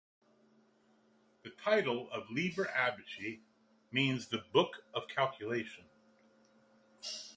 The title of "Liber Abaci" means "The Book of Calculation".